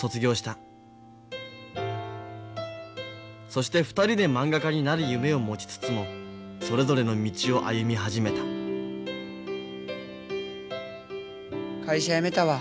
そして２人でまんが家になる夢を持ちつつもそれぞれの道を歩み始めた会社辞めたわ。